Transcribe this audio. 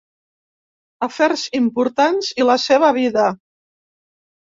Afers importants i la seva vida.